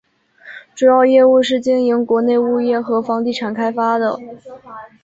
主要业务是经营国内物业和房地产开发的。